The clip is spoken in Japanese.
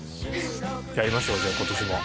やりましょうじゃあ今年も。